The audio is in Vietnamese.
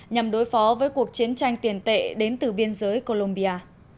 nhằm đối phó với cuộc chiến tranh tiền tệ đến từ biên giới columbia